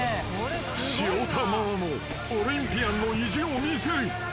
［潮田ママもオリンピアンの意地を見せる］